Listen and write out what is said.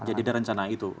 jadi ada rencana itu